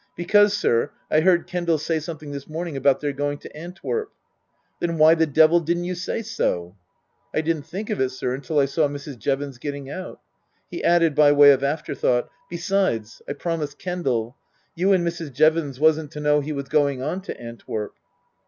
Because, sir, I heard Kendal say something this morning about their going to Antwerp." " Then why the devil didn't you say so ?"" I didn't think of it, sir, until I saw Mrs. Jevons getting out." He added by way of afterthought, " Besides, I promised Kendal. You and Mrs. Jevons wasn't to know he was going on to Antwerp."